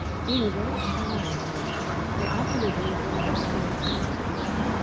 Being very shy, however, they often evaded your steadfast look.